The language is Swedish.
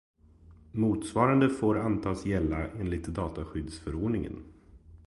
Motsvarande får antas gälla enligt dataskyddsförordningen.